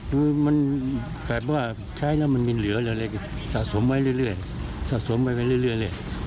คือมันแบบว่าใช้แล้วมันมีเหลืออะไรเลยสะสมไว้เรื่อยเรื่อยสะสมไว้เรื่อยเรื่อยเลย